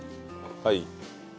はい。